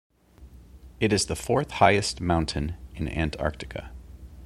It is the fourth highest mountain in Antarctica.